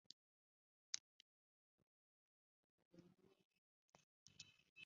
اݨ ݙٹھا کراڑی مݨکا لدھا دُنی تے لڑکاوے